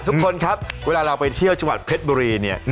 ทุกคนครับเวลาเราไปเที่ยวจังหวัดเพชรบุรีเนี่ย